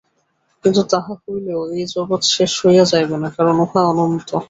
কিন্তু তাহা হইলেও এই জগৎ শেষ হইয়া যাইবে না, কারণ উহা অনন্ত।